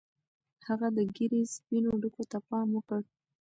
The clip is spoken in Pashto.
هغه د ږیرې سپینو ډکو ته پام وکړ.